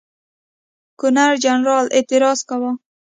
ګورنرجنرال اعتراض کاوه.